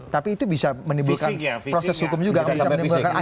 tapi itu bisa menimbulkan proses hukum juga